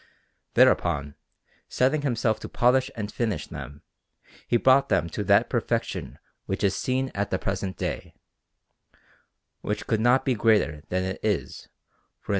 Thereupon, setting himself to polish and finish them, he brought them to that perfection which is seen at the present day, which could not be greater than it is, for in S.